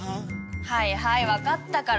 はいはい分かったから。